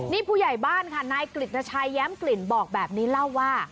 นี่ผู้ใหญ่บ้านค่ะนายกฤตชัยแย้มกลิ่นบอกแบบนี้เล่าว่า